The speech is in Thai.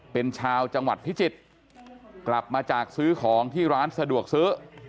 เป็นชาวจังหวัดพิจิตรกลับมาจากซื้อของที่ร้านสะดวกซื้อ